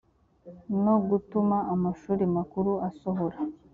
no gutuma amashuri makuru asohora